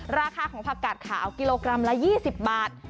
ราคาของผักกาดขาวกิโลกรัมละ๒๐บาท